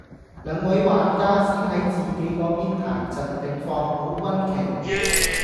兩位玩家先喺自己嗰邊排陣並放好軍旗